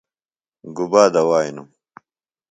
گُبا دوائنوۡ؟